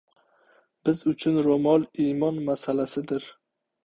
Biz uchun ro‘mol – iymon masalasidir!